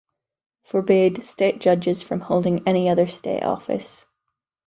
Forbade state judges from holding any other state office.